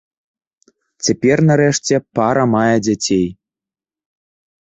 Цяпер, нарэшце, пара мае дзяцей.